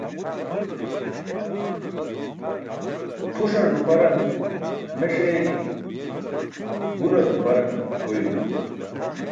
Pʰuṣar nuparan meṣ eegi, gular nuparan goy uu.